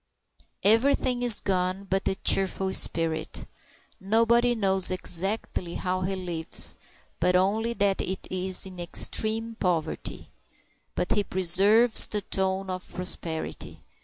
Everything is gone but the cheerful spirit. Nobody knows exactly how he lives, but only that it is in extreme poverty. But he preserves the tone of prosperity.